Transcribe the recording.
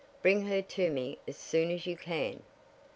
"Bring her to me as soon as you can."